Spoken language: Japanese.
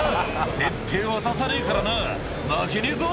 「ぜってぇ渡さねえからな負けねえぞ」